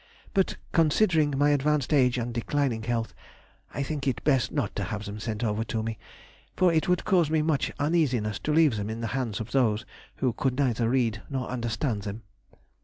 But, considering my advanced age and declining health, I think it best not to have them sent over to me, for it would cause me much uneasiness to leave them in the hands of those who could neither read nor understand them.